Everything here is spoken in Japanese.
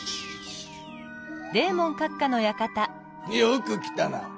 よく来たな！